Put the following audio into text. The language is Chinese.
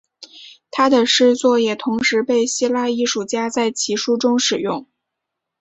他的诗作也同时被希腊艺术家在其书中使用。